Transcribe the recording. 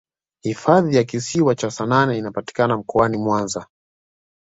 hifadhi ya kisiwa cha saanane inapatika mkoani mwanza